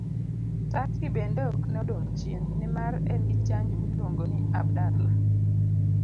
Turkey bende ok ne odong' chien, nimar en gi chanjo miluongo ni Abdala.